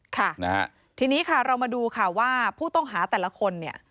ค่ะทีนี้เรามาดูว่าผู้ต้องหาแต่ละคน